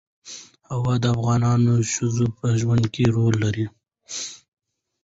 هوا د افغان ښځو په ژوند کې رول لري.